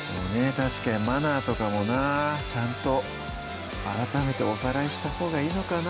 確かにマナーとかもなちゃんと改めておさらいしたほうがいいのかな